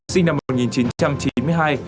sinh năm một nghìn chín trăm chín mươi hai